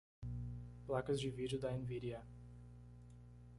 Placas de vídeo da Nvidia.